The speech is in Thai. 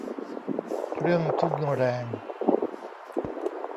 เครื่องทุ่นแรง